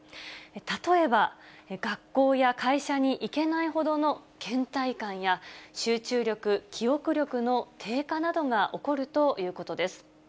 例えば、学校や会社に行けないほどのけん怠感や集中力、記憶力の低下などが起こるということです。